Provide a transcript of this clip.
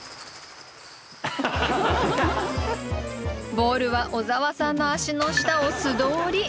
ボールは小沢さんの足の下を素通り。